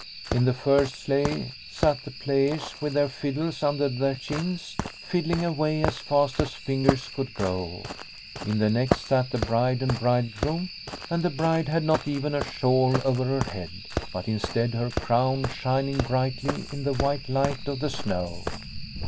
In the first sleigh sat the players with their fiddles under their chins, fiddling away as fast as fingers could go. In the next sat the bride and bride no Liliecrona's Home groom, and the bride had not even a shawl over her head, but, instead, her crown shining brightly in the white light of the snow.